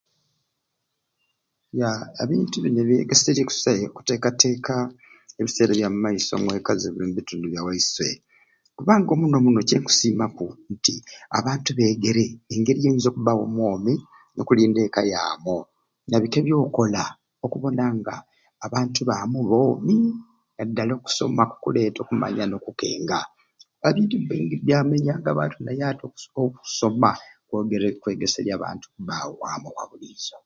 Yaa ebintu bini byegeserye kusai okutekateka ebiseera ebya mumaiso omwekka zini omubitundu bya waiswe kubanga omuno muno kyenkusimaku nti abantu begere engeri jonyinza okubamu omwomi nokulinda ekka yamu nabiki ebyokola okubona nga abantu bamu boomi nadala okusoma kukuleta okumanya nokukenga abantu baingi byamenyanga abantu naye ati okusoma kwegere kwegeserye abantu obwomi bwabwe obwa bulizo.